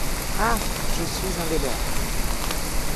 Ah ! je suis un des leurs.